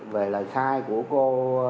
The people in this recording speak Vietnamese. về lời khai của cô